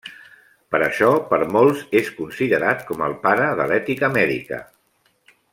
Per això per molts és considerat com el pare de l'ètica mèdica.